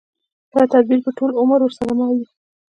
دا تدبير به ټول عمر ورسره مل وي.